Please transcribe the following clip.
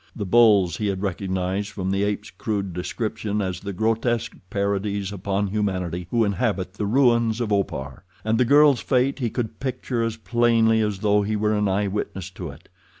The "bulls" he had recognized from the ape's crude description as the grotesque parodies upon humanity who inhabit the ruins of Opar. And the girl's fate he could picture as plainly as though he were an eyewitness to it.